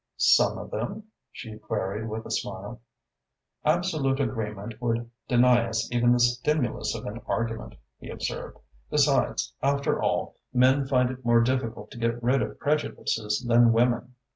"Some of them?" she queried, with a smile. "Absolute agreement would deny us even the stimulus of an argument," he observed. "Besides, after all, men find it more difficult to get rid of prejudices than women."